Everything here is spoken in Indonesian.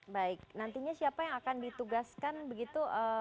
baik nantinya siapa yang akan ditugaskan begitu